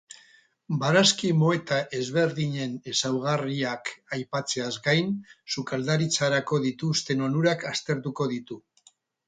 Barazki moeta ezberdinen ezaugarriak aipatzeaz gain, sukaldaritzarako dituzten onurak aztertuko ditu.